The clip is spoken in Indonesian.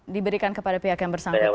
diberikan kepada pihak yang bersangkutan